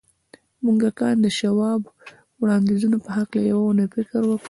مورګان د شواب د وړاندیزونو په هکله یوه اونۍ فکر وکړ